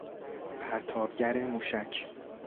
پرتابگر موشک